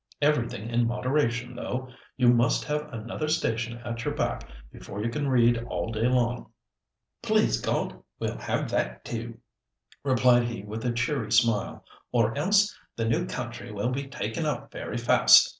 Everything in moderation, though. You must have another station at your back before you can read all day long." "Please God, we'll have that too," replied he with a cheery smile, "or else the new country will be taken up very fast.